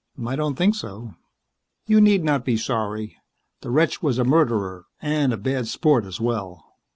"I don't think so." "You need not be sorry. The wretch was a murderer and a bad sport as well.